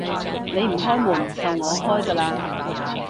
你唔開門，就我開㗎喇